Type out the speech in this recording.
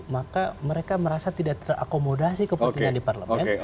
maka mereka merasa tidak terakomodasi kepentingan di parlemen